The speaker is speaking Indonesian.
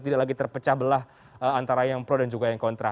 tidak lagi terpecah belah antara yang pro dan juga yang kontra